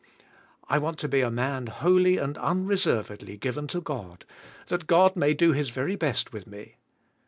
I want to be a man wholly and unreservedly given to God, that God may do His very best with me."